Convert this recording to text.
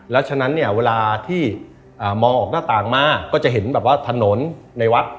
แล้วฉะนั้นเนี่ยเวลาที่มองออกหน้าต่างมาก็จะเห็นแบบว่าถนนในวัด